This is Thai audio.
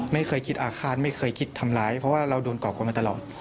ไม่เคยคิดอาฆาตไม่เคยคิดทำร้ายเพราะว่าเราโดนก่อกวนมาตลอด